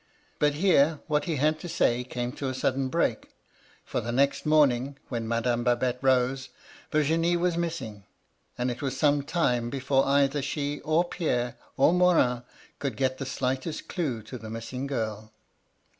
But here what he had to say came to a sudden break ; for, the next morning, when Madame Babette rose, Vir ginie was missing, and it was some time before either she, or Pierre, or Morin, could get the slightest clue to the missing girl.